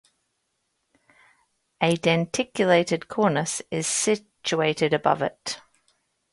A denticulated cornice is situated above it.